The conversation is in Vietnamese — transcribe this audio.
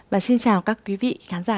và xin chào các quý vị khán giả